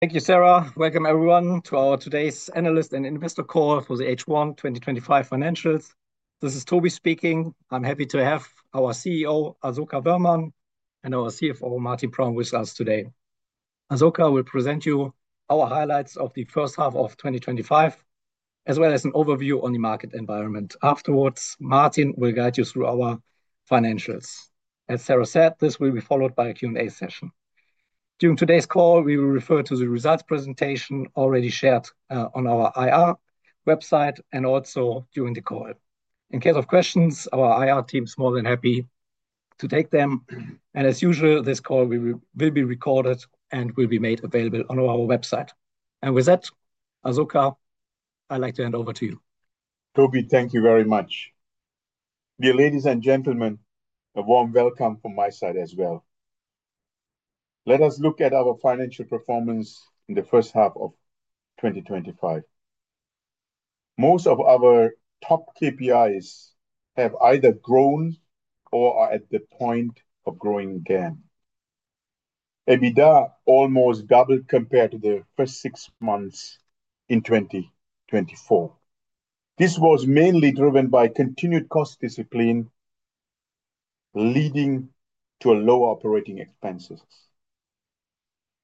Thank you, Sara. Welcome, everyone, to our today's analyst and investor call for the H1 2025 financials. This is Tobi speaking. I'm happy to have our CEO, Asoka Wöhrmann, and our CFO, Martin Praum, with us today. Asoka will present you our highlights of the first half of 2025, as well as an overview on the market environment. Afterwards, Martin will guide you through our financials. As Sara said, this will be followed by a Q&A session. During today's call, we will refer to the results presentation already shared on our IR website and also during the call. In case of questions, our IR team is more than happy to take them. This call will be recorded and will be made available on our website. With that, Asoka, I'd like to hand over to you. Tobi, thank you very much. Dear ladies and gentlemen, a warm welcome from my side as well. Let us look at our financial performance in the first half of 2025. Most of our top KPIs have either grown or are at the point of growing again. EBITDA almost doubled compared to the first six months in 2024. This was mainly driven by continued cost discipline, leading to lower operating expenses.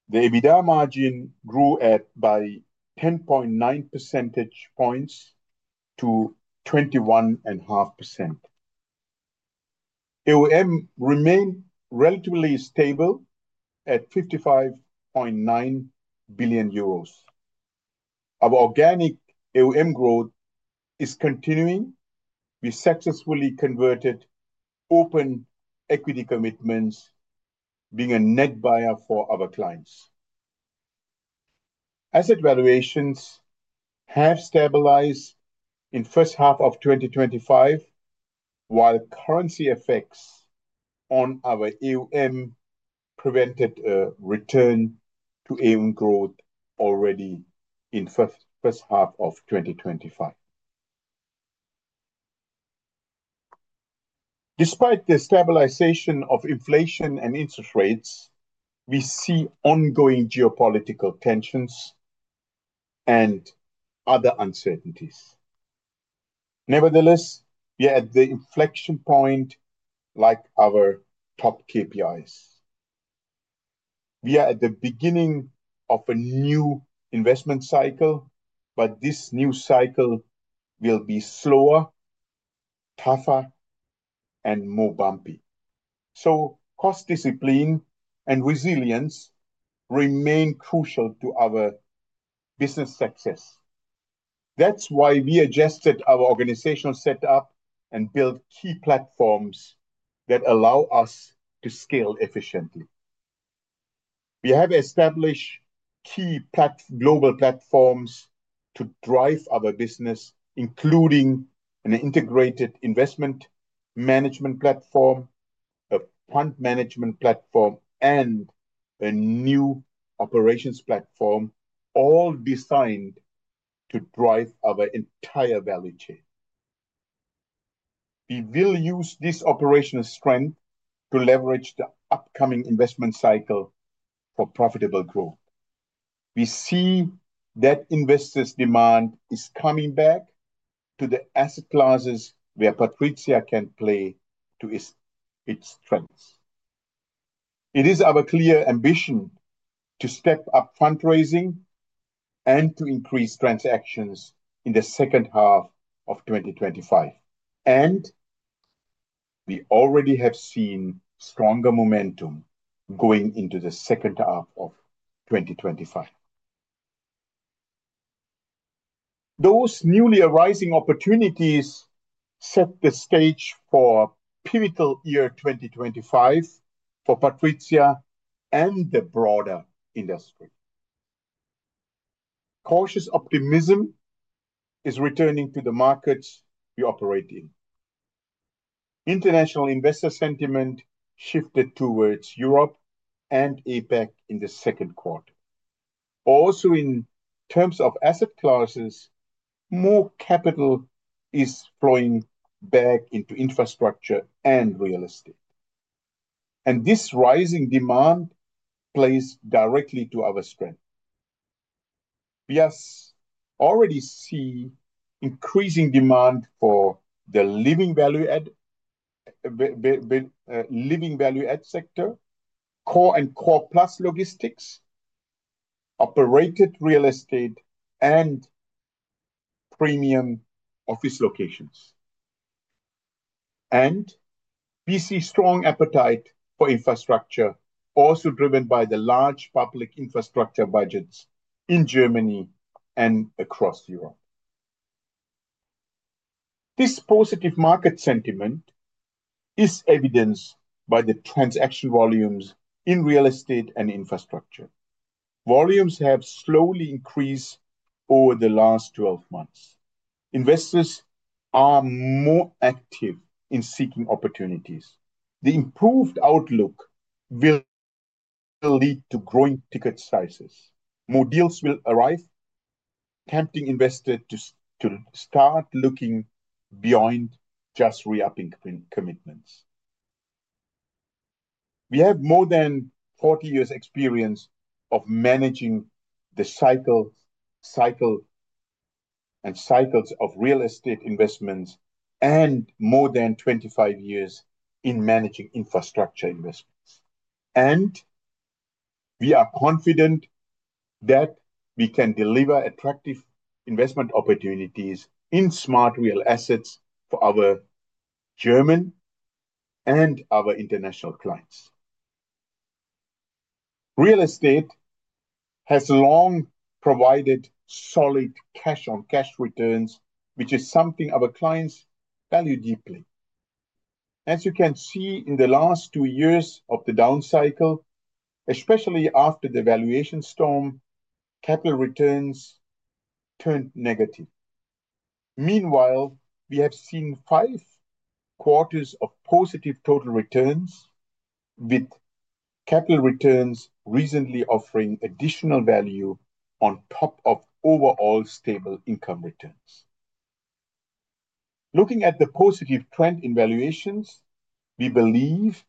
The EBITDA margin grew by 10.9% to 21.5%. AUM remained relatively stable at €55.9 billion. Our organic AUM growth is continuing. We successfully converted open equity commitments, being a net buyer for our clients. Asset valuations have stabilized in the first half of 2025, while currency effects on our AUM prevented a return to AUM growth already in the first half of 2025. Despite the stabilization of inflation and interest rates, we see ongoing geopolitical tensions and other uncertainties. Nevertheless, we are at the inflection point, like our top KPIs. We are at the beginning of a new investment cycle, but this new cycle will be slower, tougher, and more bumpy. Cost discipline and resilience remain crucial to our business success. That's why we adjusted our organizational setup and built key platforms that allow us to scale efficiently. We have established key global platforms to drive our business, including an integrated investment management platform, a fund management platform, and a new operations platform, all designed to drive our entire value chain. We will use this operational strength to leverage the upcoming investment cycle for profitable growth. We see that investors' demand is coming back to the asset classes where PATRIZIA can play to its strengths. It is our clear ambition to step up fundraising and to increase transactions in the second half of 2025. We already have seen stronger momentum going into the second half of 2025. Those newly arising opportunities set the stage for a pivotal year 2025 for PATRIZIA and the broader industry. Cautious optimism is returning to the markets we operate in. International investor sentiment shifted towards Europe and APAC in the second quarter. Also, in terms of asset classes, more capital is flowing back into infrastructure and real estate. This rising demand plays directly to our strength. We already see increasing demand for the living value-add sector, core and core plus logistics, operated real estate, and premium office locations. We see a strong appetite for infrastructure, also driven by the large public infrastructure budgets in Germany and across Europe. This positive market sentiment is evidenced by the transaction volumes in real estate and infrastructure. Volumes have slowly increased over the last 12 months. Investors are more active in seeking opportunities. The improved outlook will lead to growing ticket sizes. More deals will arise, tempting investors to start looking beyond just re-upping commitments. We have more than 40 years' experience of managing the cycle and cycles of real estate investments and more than 25 years in managing infrastructure investments. We are confident that we can deliver attractive investment opportunities in smart real assets for our German and our international clients. Real estate has long provided solid cash-on-cash returns, which is something our clients value deeply. As you can see, in the last two years of the down cycle, especially after the valuation storm, capital returns turned negative. Meanwhile, we have seen five quarters of positive total returns, with capital returns recently offering additional value on top of overall stable income returns. Looking at the positive trend in valuations, we believe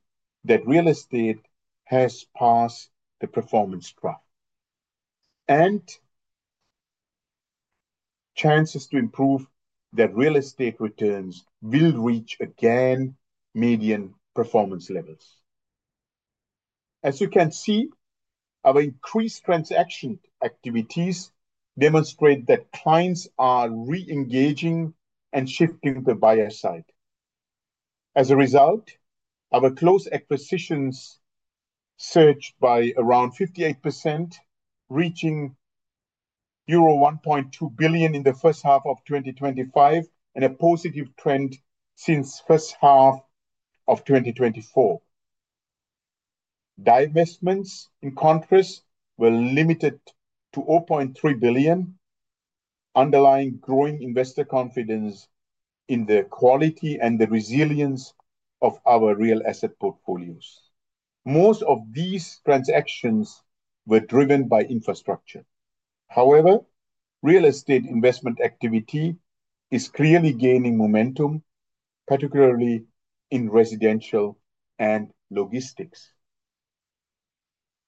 that real estate has passed the performance drop and chances to improve that real estate returns will reach again median performance levels. Our increased transaction activities demonstrate that clients are re-engaging and shifting to the buyer side. As a result, our closed acquisitions surged by around 58%, reaching €1.2 billion in the first half of 2025, and a positive trend since the first half of 2024. Divestments, in contrast, were limited to €0.3 billion, underlying growing investor confidence in the quality and the resilience of our real asset portfolios. Most of these transactions were driven by infrastructure. However, real estate investment activity is clearly gaining momentum, particularly in residential and logistics.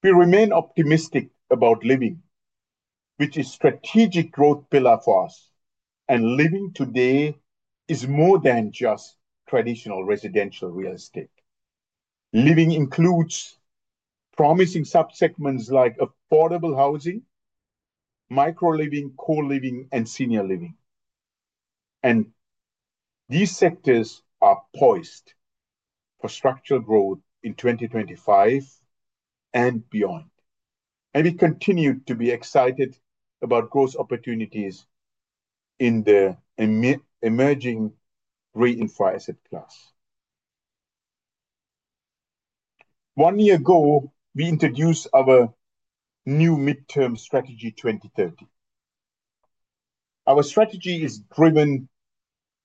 We remain optimistic about living, which is a strategic growth pillar for us. Living today is more than just traditional residential real estate. Living includes promising subsegments like affordable housing, micro living, co-living, and senior living. These sectors are poised for structural growth in 2025 and beyond. We continue to be excited about growth opportunities in the emerging re-infi asset class. One year ago, we introduced our new midterm strategy 2030. Our strategy is driven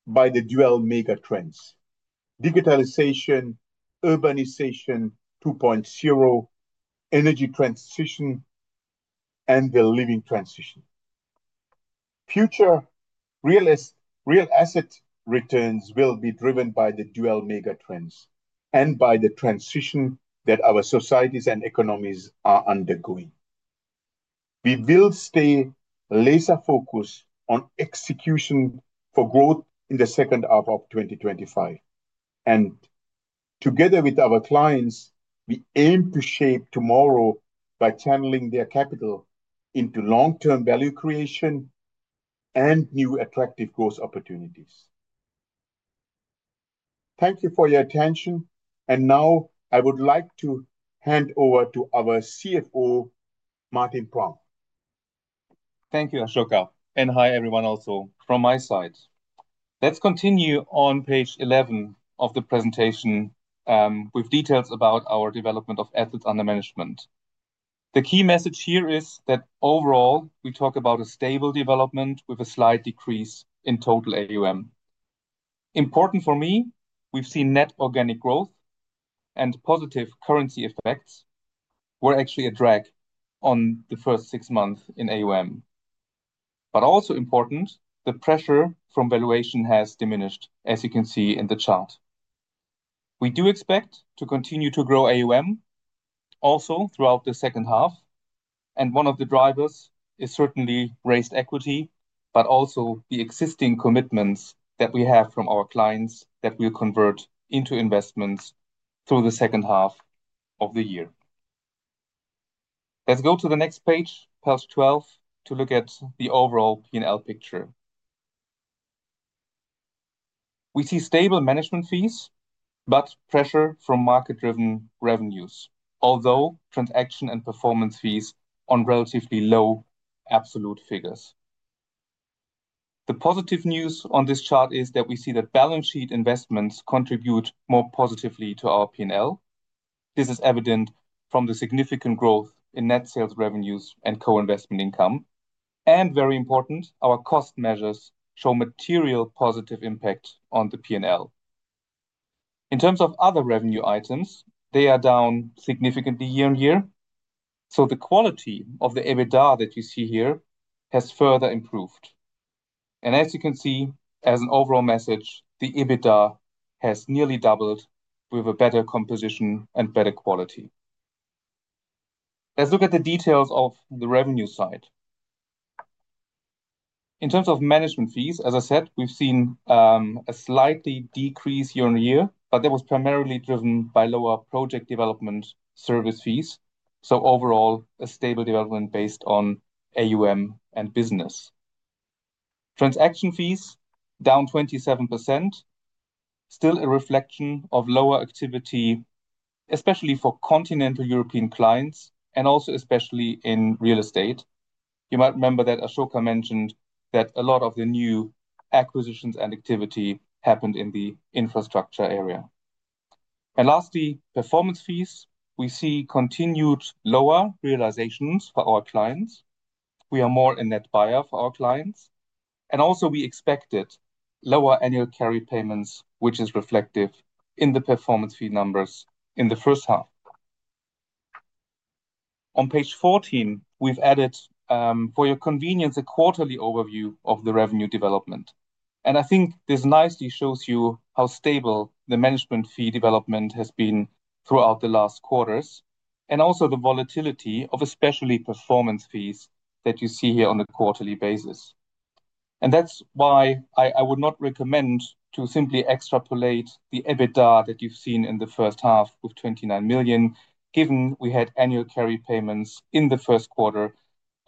by the dual mega trends: digitalization, urbanization 2.0, energy transition, and the living transition. Future real asset returns will be driven by the dual mega trends and by the transition that our societies and economies are undergoing. We will stay laser-focused on execution for growth in the second half of 2025. Together with our clients, we aim to shape tomorrow by channeling their capital into long-term value creation and new attractive growth opportunities. Thank you for your attention. I would like to hand over to our CFO, Martin Praum. Thank you, Asoka. Hi, everyone also from my side. Let's continue on page 11 of the presentation with details about our development of assets under management. The key message here is that overall, we talk about a stable development with a slight decrease in total AUM. Important for me, we've seen net organic growth and positive currency effects were actually a drag on the first six months in AUM. Also important, the pressure from valuation has diminished, as you can see in the chart. We do expect to continue to grow AUM throughout the second half. One of the drivers is certainly raised equity, but also the existing commitments that we have from our clients that will convert into investments through the second half of the year. Let's go to the next page, page 12, to look at the overall P&L picture. We see stable management fees, but pressure from market-driven revenues, although transaction and performance fees are in relatively low absolute figures. The positive news on this chart is that we see that balance sheet investments contribute more positively to our P&L. This is evident from the significant growth in net sales revenues and co-investment income. Very important, our cost measures show material positive impact on the P&L. In terms of other revenue items, they are down significantly year on year. The quality of the EBITDA that we see here has further improved. As you can see, as an overall message, the EBITDA has nearly doubled with a better composition and better quality. Let's look at the details of the revenue side. In terms of management fees, as I said, we've seen a slight decrease year on year, but that was primarily driven by lower project development service fees. Overall, a stable development based on AUM and business. Transaction fees are down 27%, still a reflection of lower activity, especially for continental European clients and especially in real estate. You might remember that Asoka mentioned that a lot of the new acquisitions and activity happened in the infrastructure area. Lastly, performance fees, we see continued lower realizations for our clients. We are more a net buyer for our clients. We expected lower annual carry payments, which is reflective in the performance fee numbers in the first half. On page 14, we've added, for your convenience, a quarterly overview of the revenue development. I think this nicely shows you how stable the management fee development has been throughout the last quarters and also the volatility of especially performance fees that you see here on a quarterly basis. That is why I would not recommend to simply extrapolate the EBITDA that you've seen in the first half with $29 million, given we had annual carry payments in the first quarter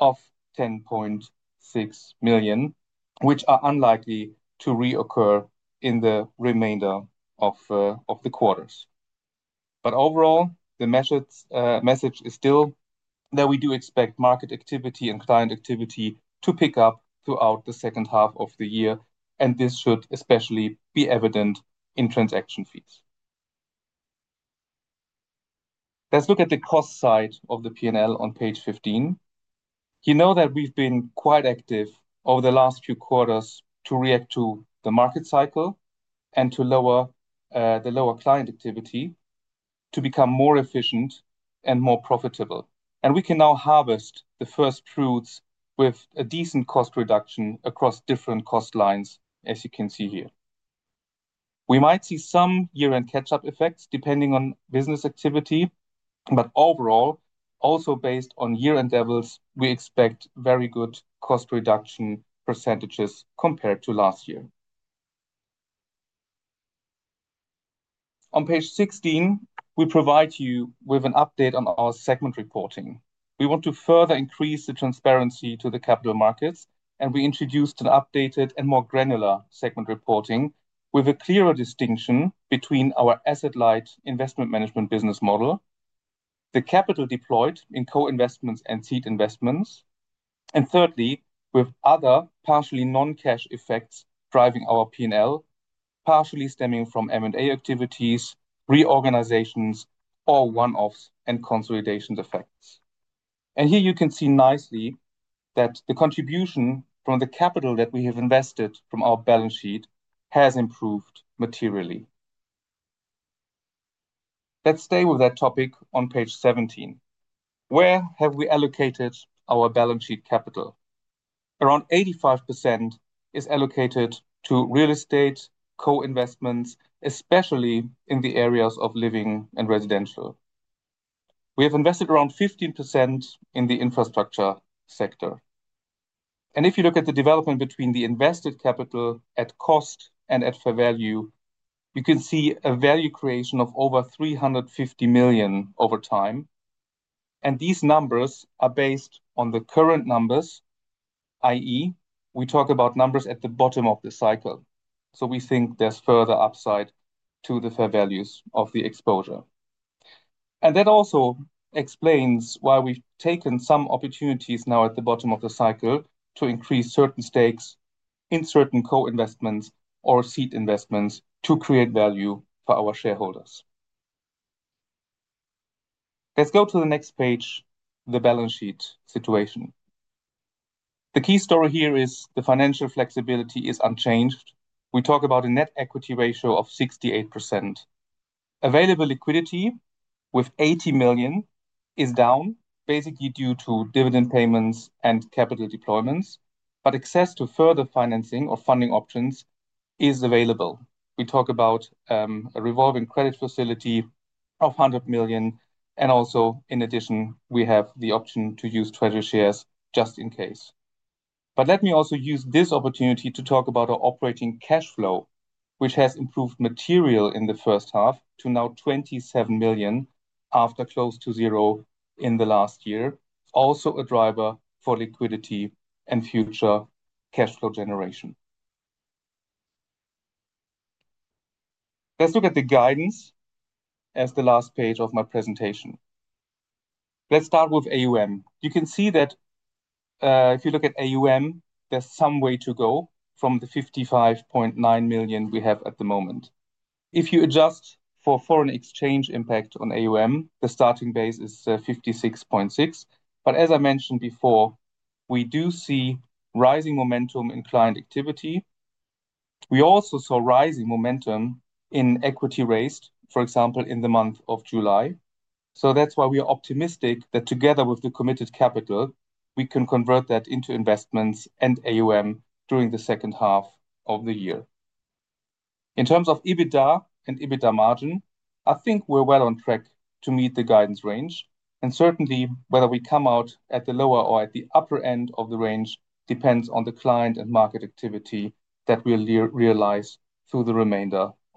of $10.6 million, which are unlikely to reoccur in the remainder of the quarters. Overall, the message is still that we do expect market activity and client activity to pick up throughout the second half of the year. This should especially be evident in transaction fees. Let's look at the cost side of the P&L on page 15. You know that we've been quite active over the last few quarters to react to the market cycle and to lower the lower client activity to become more efficient and more profitable. We can now harvest the first fruits with a decent cost reduction across different cost lines, as you can see here. We might see some year-end catch-up effects depending on business activity. Overall, also based on year endeavors, we expect very good cost reduction percentages compared to last year. On page 16, we provide you with an update on our segment reporting. We want to further increase the transparency to the capital markets. We introduced an updated and more granular segment reporting with a clearer distinction between our asset-light investment management business model, the capital deployed in co-investments and seed investments, and thirdly, with other partially non-cash effects driving our P&L, partially stemming from M&A activities, reorganizations, or one-offs and consolidation effects. Here you can see nicely that the contribution from the capital that we have invested from our balance sheet has improved materially. Let's stay with that topic on page 17. Where have we allocated our balance sheet capital? Around 85% is allocated to real estate, co-investments, especially in the areas of living and residential. We have invested around 15% in the infrastructure sector. If you look at the development between the invested capital at cost and at fair value, you can see a value creation of over $350 million over time. These numbers are based on the current numbers, i.e., we talk about numbers at the bottom of the cycle. We think there's further upside to the fair values of the exposure. That also explains why we've taken some opportunities now at the bottom of the cycle to increase certain stakes in certain co-investments or seed investments to create value for our shareholders. Let's go to the next page, the balance sheet situation. The key story here is the financial flexibility is unchanged. We talk about a net equity ratio of 68%. Available liquidity with €80 million is down, basically due to dividend payments and capital deployments. Access to further financing or funding options is available. We talk about a revolving credit facility of €100 million. In addition, we have the option to use treasury shares just in case. Let me also use this opportunity to talk about our operating cash flow, which has improved materially in the first half to now €27 million after close to zero in the last year, also a driver for liquidity and future cash flow generation. Let's look at the guidance as the last page of my presentation. Let's start with AUM. You can see that if you look at AUM, there's some way to go from the €55.9 billion we have at the moment. If you adjust for foreign exchange impact on AUM, the starting base is €56.6 billion. As I mentioned before, we do see rising momentum in client activity. We also saw rising momentum in equity raised, for example, in the month of July. That's why we are optimistic that together with the committed capital, we can convert that into investments and AUM during the second half of the year. In terms of EBITDA and EBITDA margin, I think we're well on track to meet the guidance range. Certainly, whether we come out at the lower or at the upper end of the range depends on the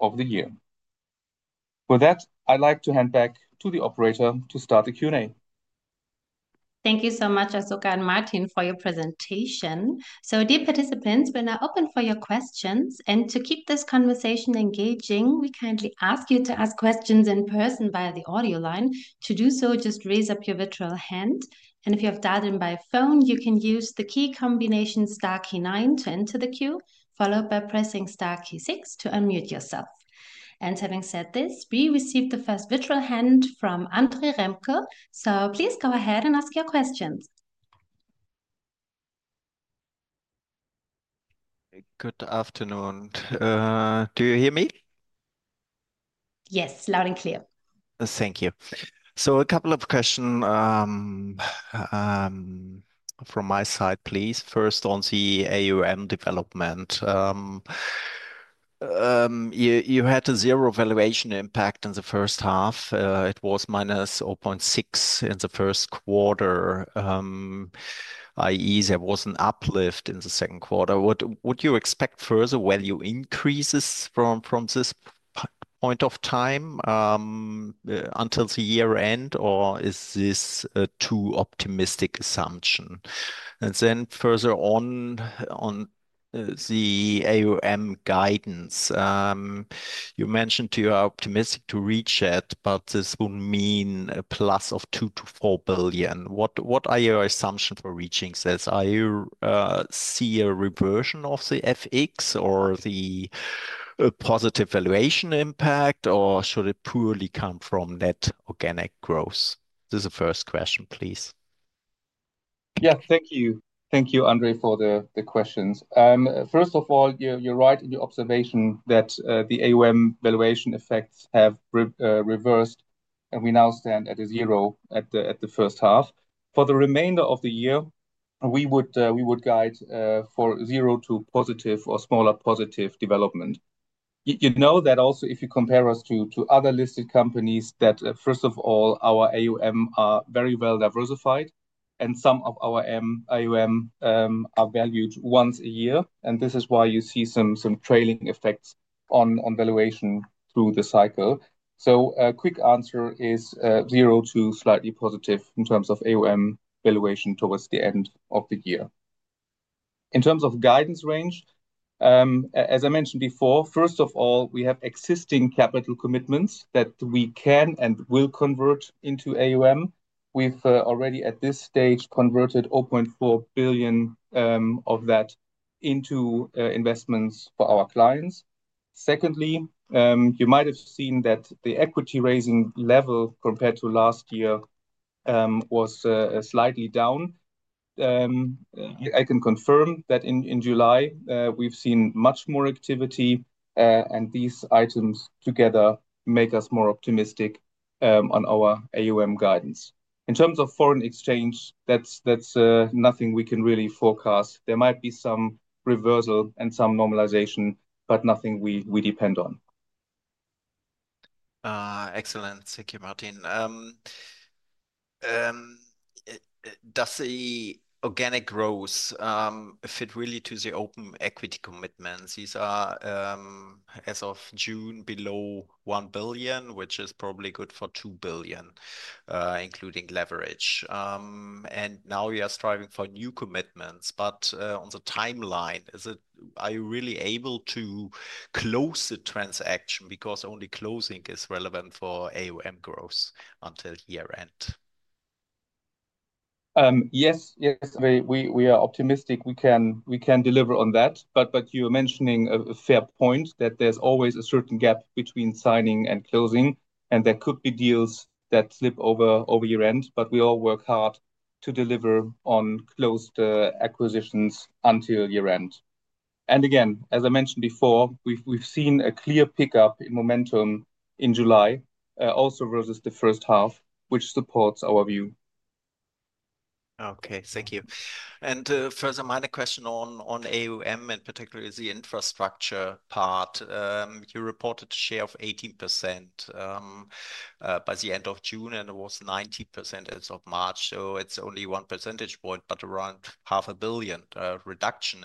client and market activity that we realize through the remainder of the year. With that, I'd like to hand back to the operator to start the Q&A. Thank you so much, Asoka and Martin, for your presentation. Dear participants, we're now open for your questions. To keep this conversation engaging, we kindly ask you to ask questions in person via the audio line. To do so, just raise up your virtual hand. If you have dialed in by phone, you can use the key combination Star, nine to enter the queue, followed by pressing Star key, six to unmute yourself. Having said this, we received the first virtual hand from Andre Remke. Please go ahead and ask your questions. Good afternoon. Do you hear me? Yes, loud and clear. Thank you. A couple of questions from my side, please. First, on the AUM development. You had a zero valuation impact in the first half. It was -0.6 in the first quarter, i.e., there was an uplift in the second quarter. Would you expect further value increases from this point of time until the year end, or is this a too optimistic assumption? Further on, on the AUM guidance, you mentioned you are optimistic to reach it, but this would mean a plus of $2 billion to $4 billion. What are your assumptions for reaching this? Are you seeing a reversion of the FX or the positive valuation impact, or should it purely come from net organic growth? This is the first question, please. Thank you. Thank you, Andre, for the questions. First of all, you're right in your observation that the AUM valuation effects have reversed, and we now stand at zero at the first half. For the remainder of the year, we would guide for zero to positive or smaller positive development. You know that also if you compare us to other listed companies that, first of all, our AUM are very well diversified, and some of our AUM are valued once a year. This is why you see some trailing effects on valuation through the cycle. A quick answer is zero to slightly positive in terms of AUM valuation towards the end of the year. In terms of guidance range, as I mentioned before, first of all, we have existing capital commitments that we can and will convert into AUM. We've already at this stage converted $0.4 billion of that into investments for our clients. Secondly, you might have seen that the equity raising level compared to last year was slightly down. I can confirm that in July, we've seen much more activity, and these items together make us more optimistic on our AUM guidance. In terms of FX, that's nothing we can really forecast. There might be some reversal and some normalization, but nothing we depend on. Excellent. Thank you, Martin. Does the organic growth fit really to the open equity commitments? These are, as of June, below $1 billion, which is probably good for $2 billion, including leverage. You are striving for new commitments. On the timeline, are you really able to close the transaction because only closing is relevant for AUM growth until year end? Yes, yes, we are optimistic. We can deliver on that. You're mentioning a fair point that there's always a certain gap between signing and closing. There could be deals that slip over year end, but we all work hard to deliver on closed acquisitions until year end. Again, as I mentioned before, we've seen a clear pickup in momentum in July, also versus the first half, which supports our view. Okay, thank you. First, a minor question on AUM and particularly the infrastructure part. You reported a share of 18% by the end of June, and it was 19% as of March. It's only one percentage point, but around half a billion reduction.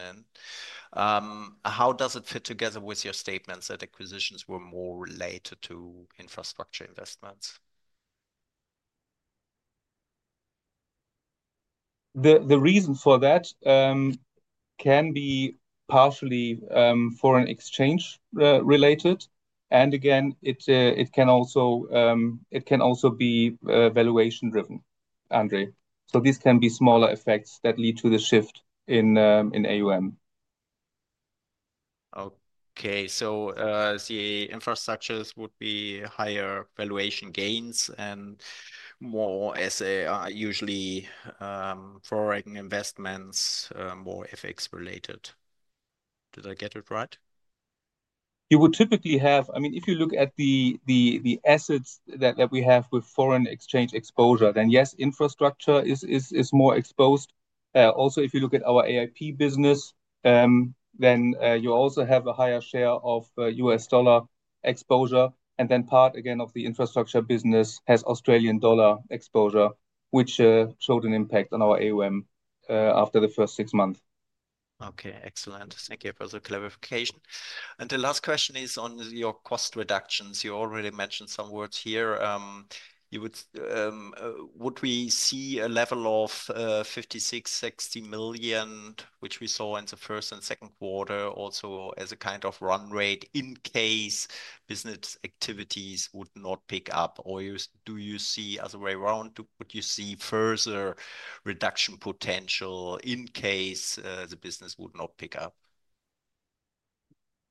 How does it fit together with your statements that acquisitions were more related to infrastructure investments? The reason for that can be partially foreign exchange related. It can also be valuation driven, Andre. These can be smaller effects that lead to the shift in AUM. Okay, so the infrastructure investments would be higher valuation gains and more as they are usually foreign investments, more FX related. Did I get it right? You would typically have, I mean, if you look at the assets that we have with FX exposure, then yes, infrastructure is more exposed. Also, if you look at our AIP business, then you also have a higher share of U.S, dollar exposure. Part of the infrastructure business has Australian dollar exposure, which showed an impact on our AUM after the first six months. Okay, excellent. Thank you for the clarification. The last question is on your cost reductions. You already mentioned some words here. Would we see a level of $56 million, $60 million, which we saw in the first and second quarter, also as a kind of run rate in case business activities would not pick up? Do you see a way around? Would you see further reduction potential in case the business would not pick up?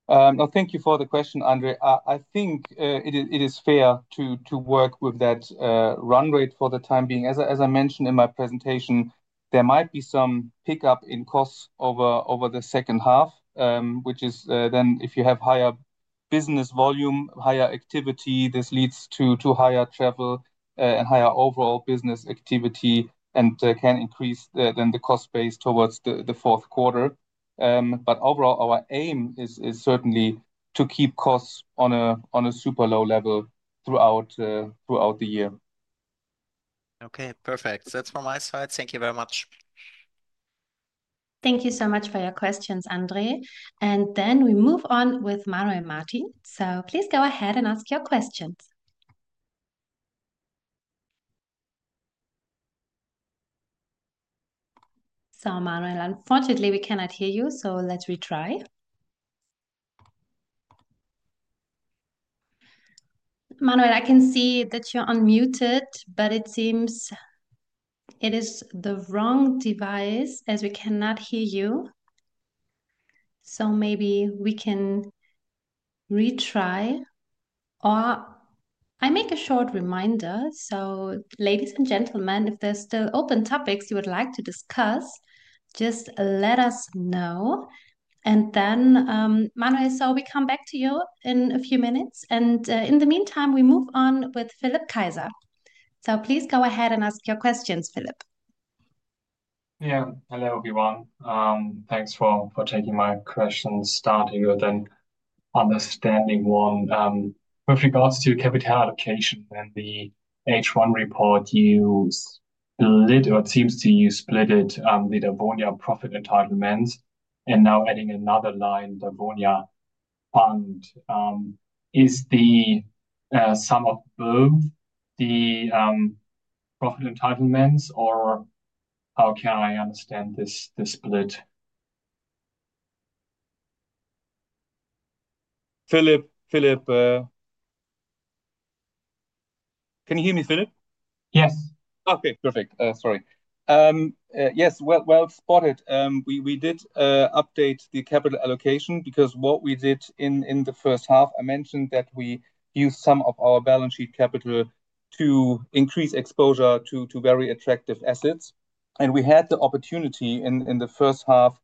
No, thank you for the question, Andre. I think it is fair to work with that run rate for the time being. As I mentioned in my presentation, there might be some pickup in costs over the second half, which is if you have higher business volume, higher activity, this leads to higher travel and higher overall business activity and can increase the cost base towards the fourth quarter. Overall, our aim is certainly to keep costs on a super low level throughout the year. Okay, perfect. That's from my side. Thank you very much. Thank you so much for your questions, Andre. We move on with Manuel and Martin. Please go ahead and ask your questions. Manuel, unfortunately, we cannot hear you, let's retry. Manuel, I can see that you're unmuted, but it seems it is the wrong device as we cannot hear you. Maybe we can retry. I make a short reminder. Ladies and gentlemen, if there's still open topics you would like to discuss, just let us know. Manuel, we come back to you in a few minutes. In the meantime, we move on with Philip Kaiser. Please go ahead and ask your questions, Philip. Hello everyone. Thanks for taking my questions. Starting with an understanding one. With regards to capital allocation, when the H1 report you split or seem to split it, the Dawonia profit entitlements and now adding another line, Dawoinia fund, is the sum of both the profit entitlements or how can I understand this split? Philip, can you hear me, Philip? Yes. Oh, good. Perfect. Sorry. Yes, well spotted. We did update the capital allocation because what we did in the first half, I mentioned that we used some of our balance sheet capital to increase exposure to very attractive assets. We had the opportunity in the first half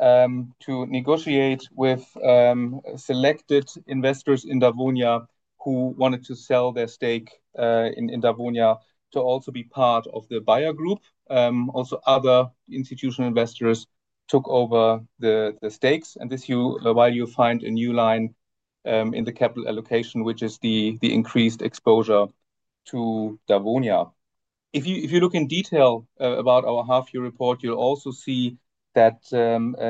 to negotiate with selected investors in Dawonia who wanted to sell their stake in Dawonia to also be part of the buyer group. Other institutional investors took over the stakes. This is why you find a new line in the capital allocation, which is the increased exposure to Dawonia. If you look in detail at our half-year report, you'll also see that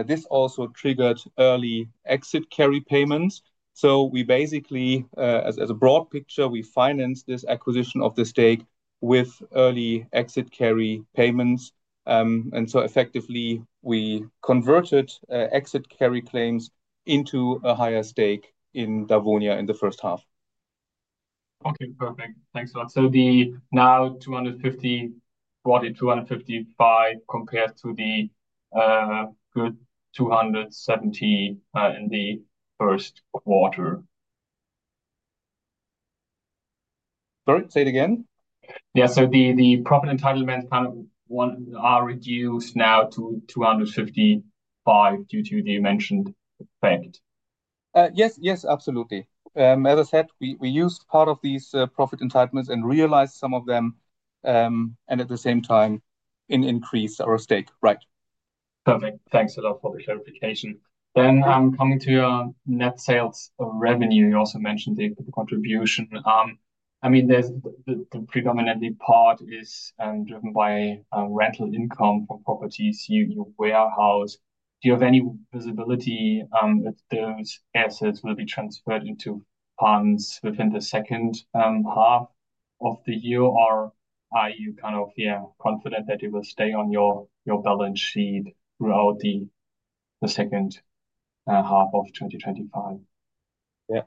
this also triggered early exit carry payments. We basically, as a broad picture, financed this acquisition of the stake with early exit carry payments. Effectively, we converted exit carry claims into a higher stake in Dawonia in the first half. Okay, perfect. Thanks a lot. Now €250 million, €40 million, €250 million compared to the good €270 million in the first quarter. Sorry, say it again. The profit entitlements are reduced now to €255 million due to the mentioned effect. Yes, absolutely. As I said, we used part of these profit entitlements and realized some of them. At the same time, it increased our stake, right? Perfect. Thanks a lot for the clarification. Coming to your net sales revenue, you also mentioned the contribution. I mean, the predominant part is driven by rental income from properties you warehouse. Do you have any visibility if those assets will be transferred into funds within the second half of the year, or are you confident that it will stay on your balance sheet throughout the second half of 2025? Yeah,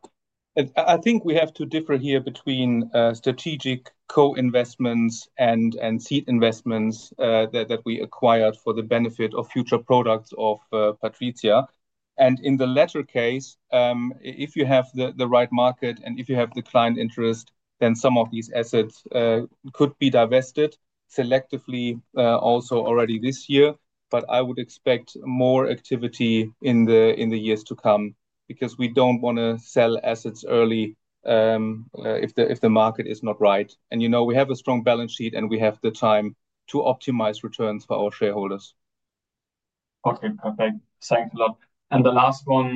I think we have to differ here between strategic co-investments and seed investments that we acquired for the benefit of future products of PATRIZIA. In the latter case, if you have the right market and if you have the client interest, then some of these assets could be divested selectively also already this year. I would expect more activity in the years to come because we don't want to sell assets early if the market is not right. You know we have a strong balance sheet and we have the time to optimize returns for our shareholders. Okay, perfect. Thanks a lot. The last one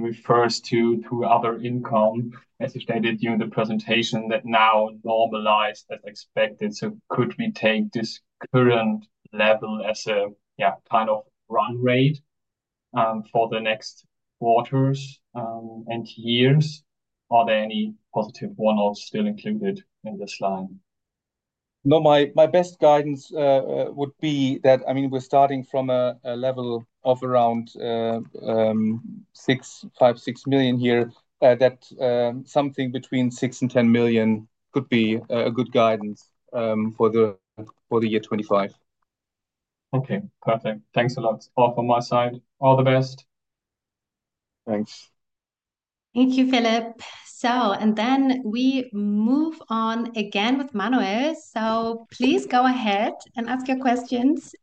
refers to other income, as you stated during the presentation, that now normalized than expected. Could we take this current level as a kind of run rate for the next quarters and years? Are there any positive one-offs still included in this line? No, my best guidance would be that we're starting from a level of around €5 million, €6 million here, that something between €6 million and €10 million could be a good guidance for the year 2025. Okay, perfect. Thanks a lot. All from my side, all the best. Thanks. Thank you, Philip. We move on again with Manuel. Please go ahead and ask your questions.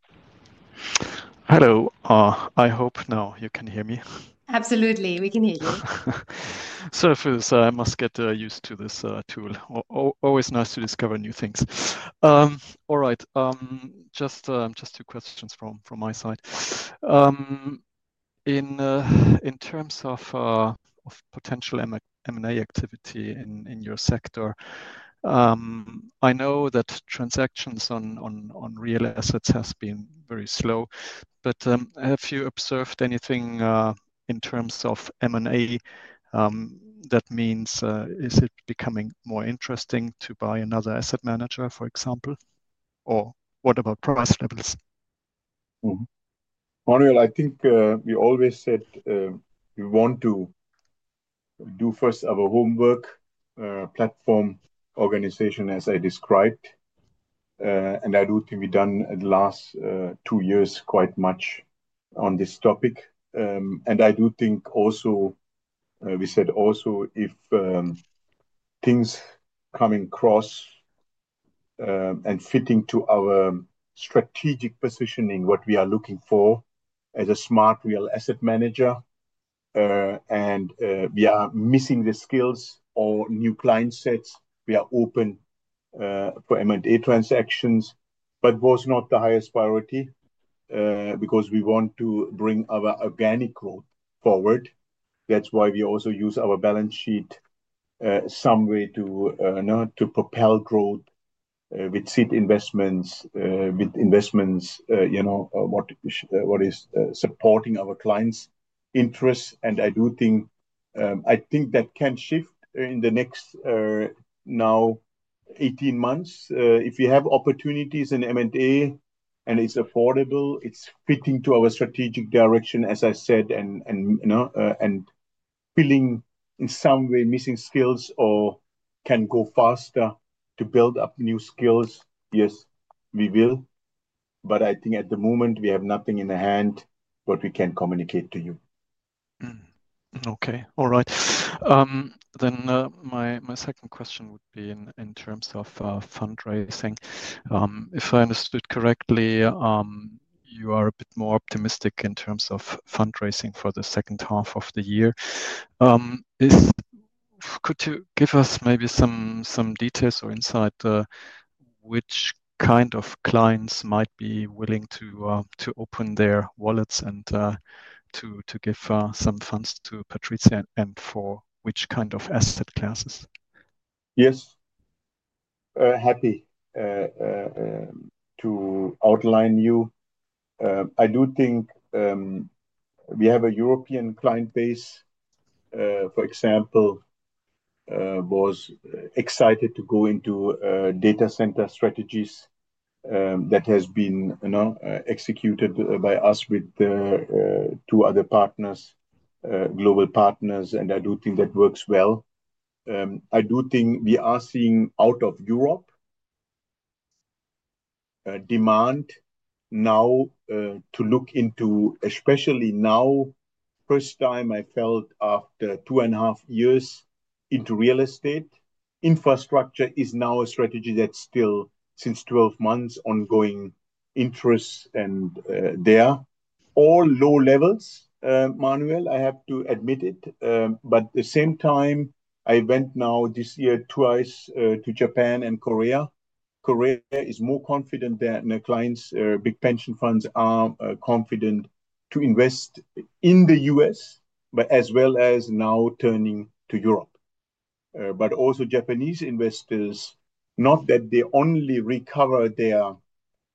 Hello, I hope now you can hear me. Absolutely, we can hear you. I must get used to this tool. Always nice to discover new things. All right, just two questions from my side. In terms of potential M&A activity in your sector, I know that transactions on real assets have been very slow. Have you observed anything in terms of M&A? That means, is it becoming more interesting to buy another asset manager, for example? What about price levels? Manuel, I think you always said you want to do first our homework, platform organization, as I described. I do think we've done in the last two years quite much on this topic. I do think also, we said also if things come across and fit into our strategic positioning, what we are looking for as a smart real asset manager, and we are missing the skills or new client sets, we are open for M&A transactions, but it was not the highest priority because we want to bring our organic growth forward. That's why we also use our balance sheet some way to propel growth with seed investments, with investments, you know, what is supporting our clients' interests. I do think that can shift in the next now 18 months. If we have opportunities in M&A and it's affordable, it's fitting to our strategic direction, as I said, and feeling in some way missing skills or can go faster to build up new skills, yes, we will. I think at the moment, we have nothing in the hand, but we can communicate to you. All right. My second question would be in terms of fundraising. If I understood correctly, you are a bit more optimistic in terms of fundraising for the second half of the year. Could you give us maybe some details or insight which kind of clients might be willing to open their wallets and to give some funds to PATRIZIA and for which kind of asset classes? Yes, happy to outline you. I do think we have a European client base. For example, I was excited to go into data center strategies that have been executed by us with two other partners, global partners, and I do think that works well. I do think we are seeing out of Europe demand now to look into, especially now, the first time I felt after two and a half years into real estate, infrastructure is now a strategy that's still, since 12 months, ongoing interest and there. All low levels, Manuel, I have to admit it. At the same time, I went now this year twice to Japan and Korea. Korea is more confident that clients' big pension funds are confident to invest in the U.S., but as well as now turning to Europe. Also Japanese investors, not that they only recover their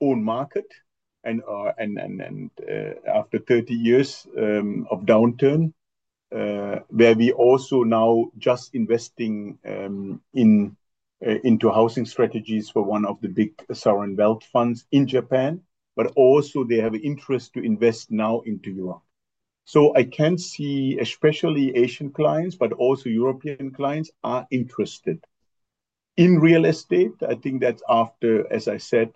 own market, and after 30 years of downturn, where we also now just investing into housing strategies for one of the big sovereign wealth funds in Japan, but also they have an interest to invest now into Europe. I can see especially Asian clients, but also European clients are interested in real estate. I think that's after, as I said,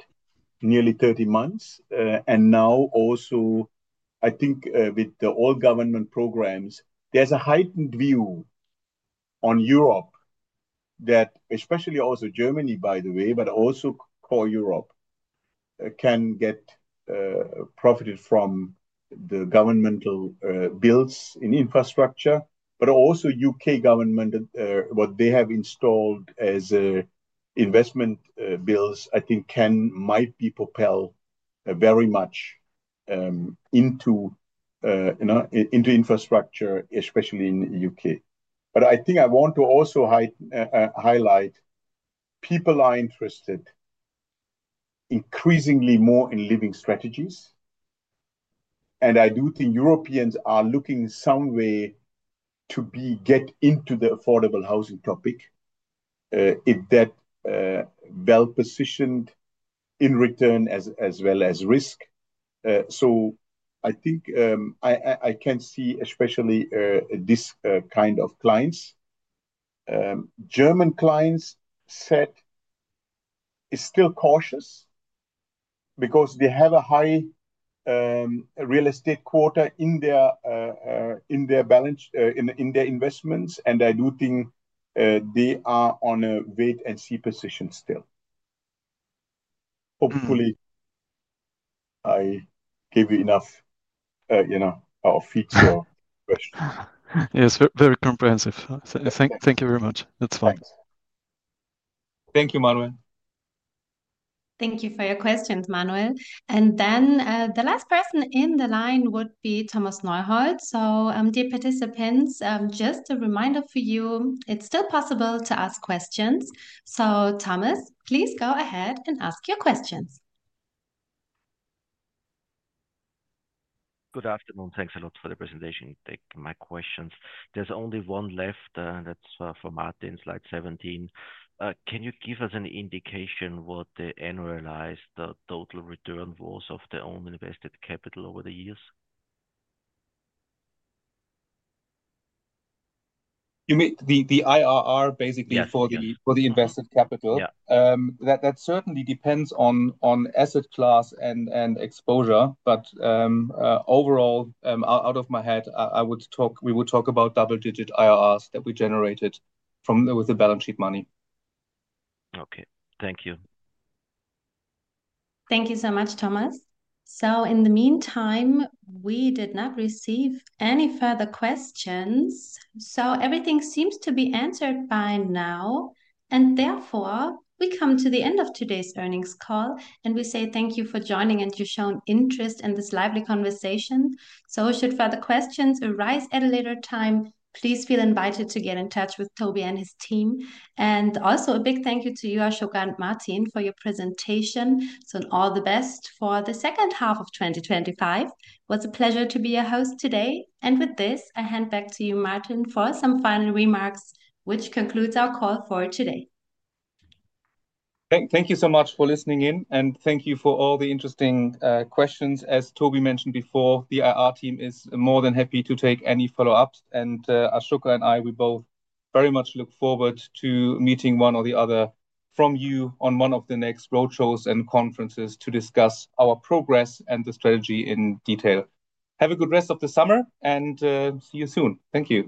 nearly 30 months. Now also, I think with the all-government programs, there's a heightened view on Europe that especially also Germany, by the way, but also core Europe can get profited from the governmental bills in infrastructure, but also U.K. government, what they have installed as investment bills, I think can might be propelled very much into infrastructure, especially in the U.K. I want to also highlight people are interested increasingly more in living strategies. I do think Europeans are looking somewhere to get into the affordable housing topic if that well positioned in return as well as risk. I think I can see especially this kind of clients. German clients said it's still cautious because they have a high real estate quota in their investments. I do think they are on a wait-and-see position still. Hopefully, I gave you enough, you know, of feedback. Yes, very comprehensive. Thank you very much. That's fine. Thank you, Manuel. Thank you for your questions, Manuel. The last person in the line would be Thomas Neuhold. Dear participants, just a reminder for you, it's still possible to ask questions. Thomas, please go ahead and ask your questions. Good afternoon. Thanks a lot for the presentation. Thank you for my questions. There's only one left, and that's for Martin. Slide 17. Can you give us an indication of what the annualized total return was of the owned invested capital over the years? You mean the IRR basically for the invested capital? Yeah. That certainly depends on asset class and exposure. Overall, out of my head, we would talk about double-digit IRRs that we generated with the balance sheet money. Okay, thank you. Thank you so much, Thomas. In the meantime, we did not receive any further questions. Everything seems to be answered by now. Therefore, we come to the end of today's earnings call. We say thank you for joining and you've shown interest in this lively conversation. Should further questions arise at a later time, please feel invited to get in touch with Tobi and his team. Also, a big thank you to you, Asoka and Martin, for your presentation. All the best for the second half of 2025. It was a pleasure to be your host today. With this, I hand back to you, Martin, for some final remarks, which concludes our call for today. Thank you so much for listening in. Thank you for all the interesting questions. As Tobias Ender mentioned before, the IR team is more than happy to take any follow-ups. Asoka Wöhrmann and I both very much look forward to meeting one or the other from you on one of the next roadshows and conferences to discuss our progress and the strategy in detail. Have a good rest of the summer and see you soon. Thank you.